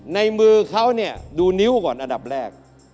ในมือเขาเนี่ยดูนิ้วก่อนอันดับแรก